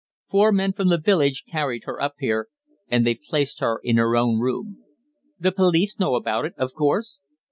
Four men from the village carried her up here, and they've placed her in her own room." "The police know about it, of course?"